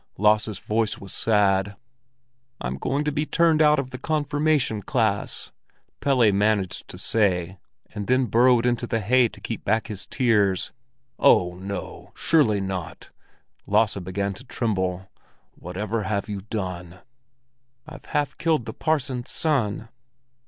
Lasse's voice was sad. "I'm to be turned out of the confirmation class," Pelle managed to say, and then burrowed into the hay to keep back his tears. "Oh, no, surely not!" Lasse began to tremble. "Whatever have you done?" "I've half killed the parson's son."